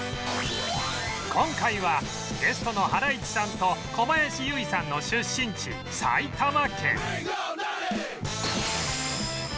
今回はゲストのハライチさんと小林由依さんの出身地埼玉県